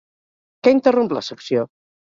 Què interromp la secció?